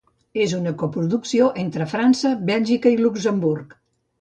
És una coproducció entre França, Bèlgica i Luxemburg.